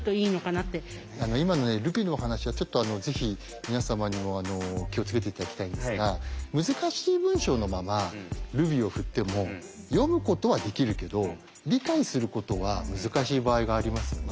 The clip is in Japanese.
今のルビのお話はぜひ皆様にも気を付けて頂きたいんですが難しい文章のままルビをふっても読むことはできるけど理解することは難しい場合がありますよね。